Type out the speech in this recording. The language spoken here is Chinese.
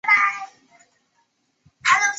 绍兴四年卒。